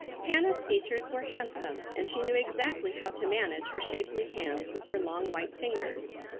Hannah's features were handsome and she knew exactly how to manage her shapely hands with their long white fingers.